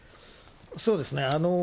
そうですね。